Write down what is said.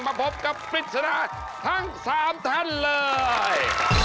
มาพบกับปริศนาทั้ง๓ท่านเลย